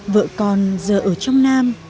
vợ con giờ ở trong nam